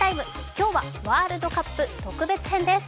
今日はワールドカップ特別編です。